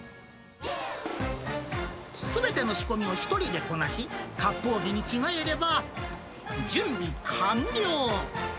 すべての仕込みを１人でこなし、かっぽう着に着替えれば、準備完了。